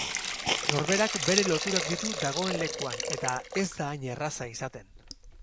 Norberak bere loturak ditu dagoen lekuan eta ez da hain erraza izaten.